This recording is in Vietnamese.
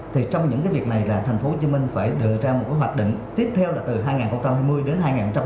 thì trong những cái việc này là thành phố hồ chí minh phải đưa ra một cái hoạch định tiếp theo là từ hai nghìn hai mươi đến hai nghìn hai mươi năm